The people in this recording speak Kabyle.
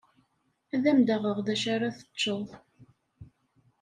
Ad am-d-aɣeɣ d acu ara teččeḍ.